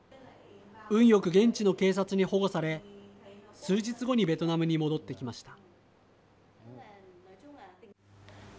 運よく現地の警察に保護され数日後にベトナムに戻ってきました。